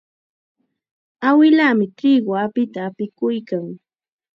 Awilaami triqu apita apikuykan.